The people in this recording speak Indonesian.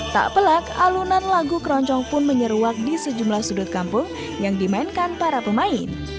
tak pelak alunan lagu keroncong pun menyeruak di sejumlah sudut kampung yang dimainkan para pemain